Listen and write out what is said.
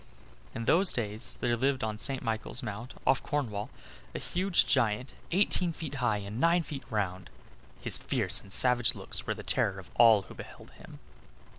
In those days there lived on St. Michael's Mount, off Cornwall, a huge giant, eighteen feet high and nine feet round; his fierce and savage looks were the terror of all who beheld him.